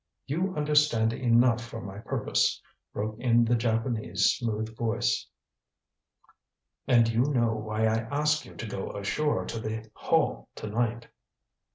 "You understand enough for my purpose," broke in the Japanese smooth voice; "and you know why I ask you to go ashore to the Hall to night."